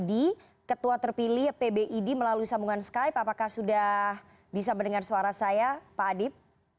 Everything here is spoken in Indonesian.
di ketua terpilih pbid melalui sambungan skype apakah sudah bisa mendengar suara saya pak adip